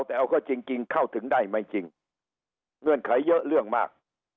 แต่เอาก็จริงเข้าถึงได้ไม่จริงเงื่อนไขเยอะเรื่องมาก